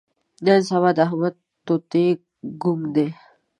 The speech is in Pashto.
نن سبا د احمد توتي ګونګ دی.